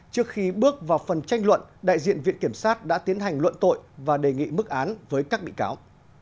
trước khi bước vào phần tranh luận đại diện viện kiểm sát đã tiến hành luận tội và đề nghị mức án với các bị cáo